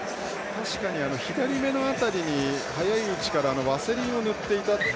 確かに左目の辺りに早いうちからワセリンを塗っていた。